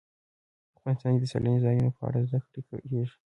افغانستان کې د سیلانی ځایونه په اړه زده کړه کېږي.